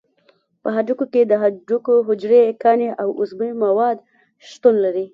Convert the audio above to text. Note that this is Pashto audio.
په هډوکي کې د هډوکو حجرې، کاني او عضوي مواد شتون لري.